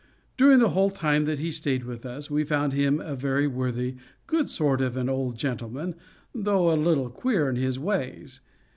During the whole time that he stayed with us, we found him a very worthy, good sort of an old gentleman, though a little queer in his ways.